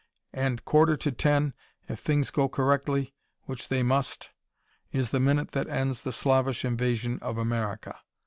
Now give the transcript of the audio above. And quarter to ten, if things go correctly which they must! is the minute that ends the Slavish invasion of America.